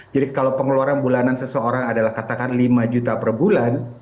jadi kalau pengeluaran bulanan seseorang adalah katakan lima juta per bulan